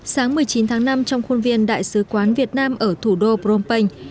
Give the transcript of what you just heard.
sáng một mươi chín tháng năm trong khuôn viên đại sứ quán việt nam ở thủ đô phnom penh